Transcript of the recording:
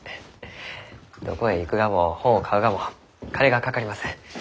どこへ行くがも本を買うがも金がかかります。